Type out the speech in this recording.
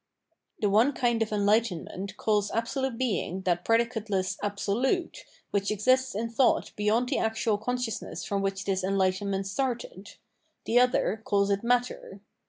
* The one kind of enlightenment calls absolute Being that predicateless Absolute, which exists in thought beyond the actual consciousness from which this en lightenment started ; the other calls it matter.